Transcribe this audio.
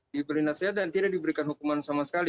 diberi nasihat dan tidak diberikan hukuman sama sekali